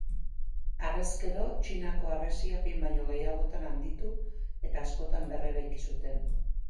Harrezkero, Txinako harresia behin baino gehiagotan handitu eta askotan berreraiki zuten.